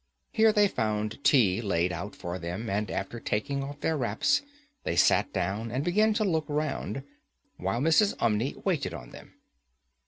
Here they found tea laid out for them, and, after taking off their wraps, they sat down and began to look round, while Mrs. Umney waited on them.